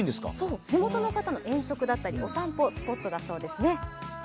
地元の方の遠足だったり、お散歩スポットだそうですね。